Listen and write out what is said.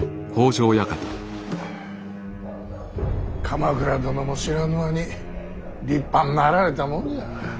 鎌倉殿も知らぬ間に立派になられたもんじゃ。